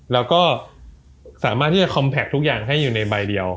แล้วก็สามารถที่จะคอมแพคทุกอย่างให้อยู่ในใบเดียว